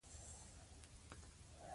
خدای دې زموږ هېواد اباد کړي.